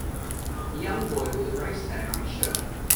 A young boy with a race tag on his shirt.